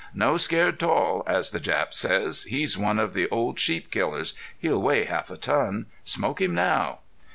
'No scared tall' as the Jap says.... He's one of the old sheep killers. He'll weigh half a ton. Smoke him now!"